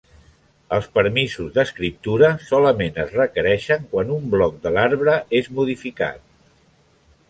Els permisos d'escriptura solament es requereixen quan un bloc de l'arbre és modificat.